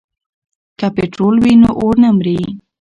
که پټرول وي نو اور نه مري.